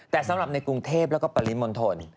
แต่สำหรับในกรุงเทพแล้วก็ปริมณฑล